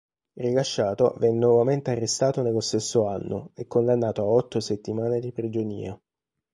Rilasciato venne nuovamente arrestato nello stesso anno, e condannato a otto settimane di prigionia.